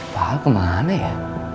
pak kemana ya